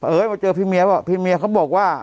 มาเจอพี่เมียว่าพี่เมียเขาบอกว่า